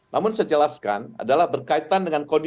namun sejelaskan adalah berkaitan dengan kondisi